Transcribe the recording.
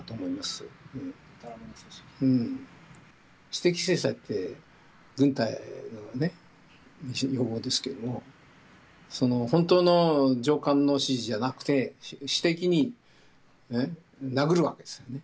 私的制裁って軍隊のね一用語ですけれども本当の上官の指示じゃなくて私的に殴るわけですよね。